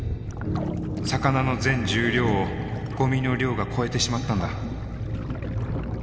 魚の全重量をごみの量が超えてしまったんだ。